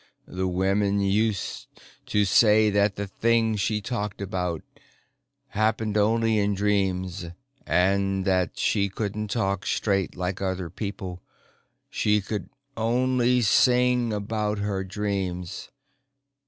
The women used to say that the things she talked about happened only in dreams, and that she couldn't talk straight like other people she could only sing about her dreams.